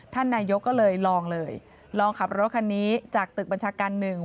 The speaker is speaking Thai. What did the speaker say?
ท่านนายกก็เลยลองเลยลองขับรถคันนี้จากตึกบัญชาการหนึ่ง